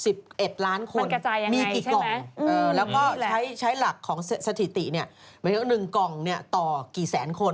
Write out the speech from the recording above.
มันกระจายอย่างไรใช่ไหมมันกระจายอย่างไรใช่ไหมแล้วก็ใช้หลักของสถิติเนี่ยหมายถึง๑กล่องเนี่ยต่อกี่แสนคน